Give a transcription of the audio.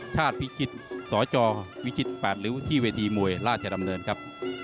พิจิตสจวิชิต๘ริ้วที่เวทีมวยราชดำเนินครับ